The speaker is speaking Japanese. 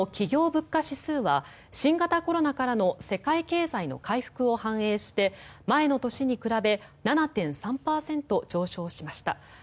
物価指数は新型コロナからの世界経済の回復を反映して前の年に比べ７．３％上昇しました。